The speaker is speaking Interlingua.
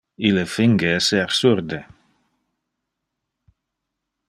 Ille finge de ser surde.